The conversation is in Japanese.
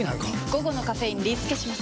午後のカフェインリスケします！